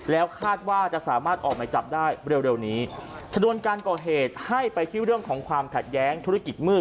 แล้วคาดว่าจะสามารถออกหมายจับได้เร็วเร็วนี้ชนวนการก่อเหตุให้ไปที่เรื่องของความขัดแย้งธุรกิจมืด